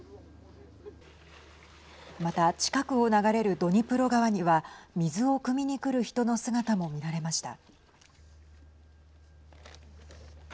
また、近くを流れるドニプロ川には水をくみにくる人の姿も見られました。